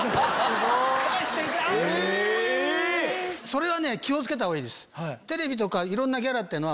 それは気を付けたほうがいいです。